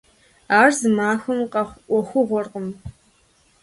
Ар зы махуэм къэхъу Ӏуэхугъуэкъым.